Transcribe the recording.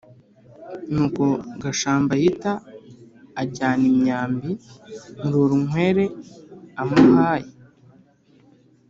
nuko gashambayita ajyana imyambi murorunkwere amuhaye.